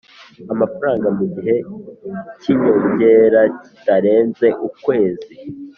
amafaranga mu gihe cy inyongera kitarenze ukwezi